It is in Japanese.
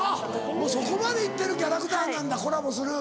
もうそこまで行ってるキャラクターなんだコラボする。